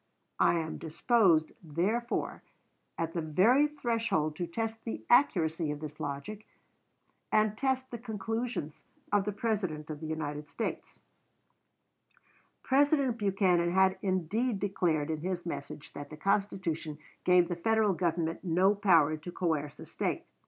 I am disposed, therefore, at the very threshold to test the accuracy of this logic, and test the conclusions of the President of the United States." "Mr. Buchanan's Administration," p. 126. President Buchanan had indeed declared in his message that the Constitution gave the Federal Government no power to coerce a State.